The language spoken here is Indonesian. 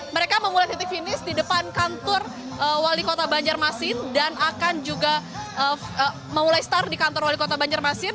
mereka memulai titik finish di depan kantor wali kota banjarmasin dan akan juga memulai start di kantor wali kota banjarmasin